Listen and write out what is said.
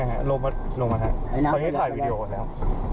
ไอน้ำไปแล้ว